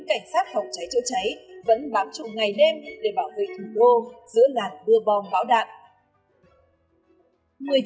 cháy vẫn bám trùng ngày đêm để bảo vệ thủ đô giữa làng bưa bom bão đạn